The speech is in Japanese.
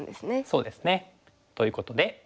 そうですね。ということで。